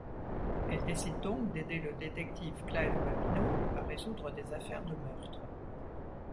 Elle décide donc d'aider le détective Clive Babineaux à résoudre des affaires de meurtres.